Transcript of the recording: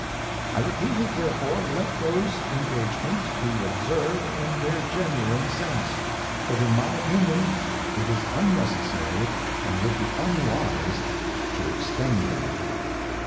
ŌĆö ' I repeat it therefore let those en gagements be observed in their genuine sense. ŌĆö But in my opinion it is unnecessary and would be unwise to extend them.